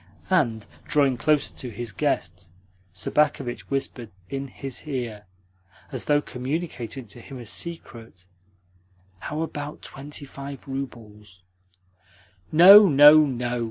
And, drawing closer to his guest, Sobakevitch whispered in his ear, as though communicating to him a secret: "How about twenty five roubles?" "No, no, no!"